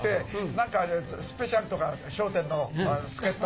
何かスペシャルとか『笑点』の助っ人。